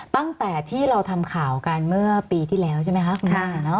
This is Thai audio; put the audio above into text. ตั้งแต่ที่เราทำข่าวกันเมื่อปีที่แล้วใช่ไหมคะคุณแม่